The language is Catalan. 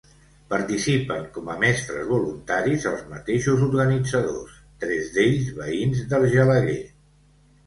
Participen com a mestres voluntaris els mateixos organitzadors, tres d'ells veïns d'Argelaguer.